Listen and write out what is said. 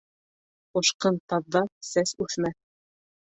Ҡуҡшын таҙҙа сәс үҫмәҫ.